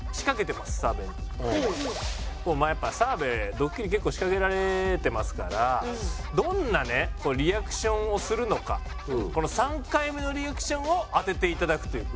もうやっぱ澤部ドッキリ結構仕掛けられてますからどんなねリアクションをするのかこの３回目のリアクションを当てていただくというクイズです。